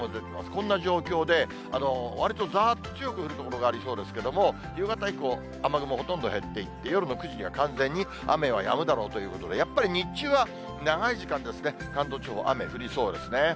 こんな状況で、わりとざーっと強く降る所がありそうですけれども、夕方以降、雨雲、ほとんど減っていって、夜の９時には完全に雨はやむだろうということで、やっぱり日中は長い時間ですね、関東地方、雨降りそうですね。